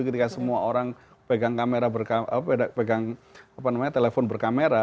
ketika semua orang pegang kamera apa namanya telepon berkamera